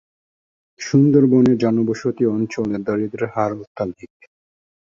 সুন্দরবনের জনবসতি অঞ্চলে দারিদ্র্যের হার অত্যধিক।